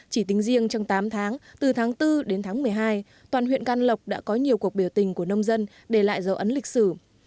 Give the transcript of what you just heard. chỉ tính riêng trong tám tháng từ tháng bốn đến tháng một mươi hai toàn huyện can lộc đã có nhiều cuộc biểu tình của nông dân để lại dấu ấn lịch sử